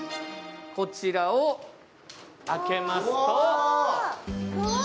こちらを開けますと。